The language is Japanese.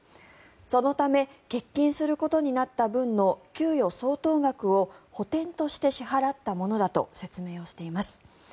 そのため欠勤することになった分の給与相当額を補てんとして支払ったものだと説明をしています。